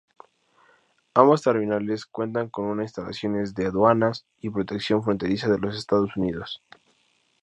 Ambas terminales cuentan con instalaciones de Aduanas y Protección Fronteriza de los Estados Unidos.